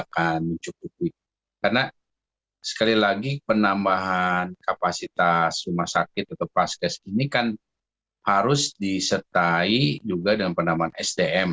karena sekali lagi penambahan kapasitas rumah sakit atau paskes ini kan harus disertai juga dengan penambahan sdm